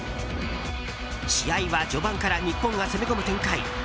試合は序盤から日本が攻め込む展開。